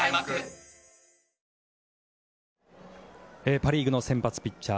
パ・リーグの先発ピッチャー